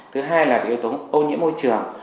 thứ hai là yếu tố ô nhiễm môi trường